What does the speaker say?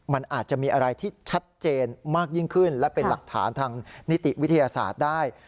มันอาจจะมีอะไรที่ชัดเจนมากยิ่งขึ้นและเป็นหลักฐานทางนิติวิทยาศาสตร์ได้